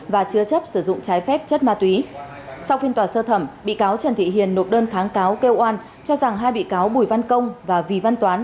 và chứa chấp sử dụng trái phép chất ma túy sau phiên tòa sơ thẩm bị cáo trần thị hiền nộp đơn kháng cáo kêu oan cho rằng hai bị cáo bùi văn công và vì văn toán